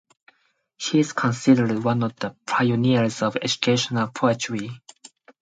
He is considered one of the pioneers of educational poetry.